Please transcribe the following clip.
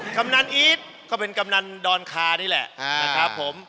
กำนันอีทก็เป็นกำนันดอนคานี่แหละนะครับผม